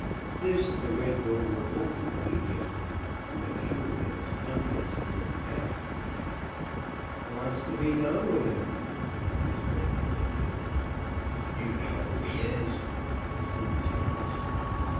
This the Red Rover opened immediately, to make sure that its contents were intact. "What is to be done with him?" one of his men demanded. "You know who he is," was the response.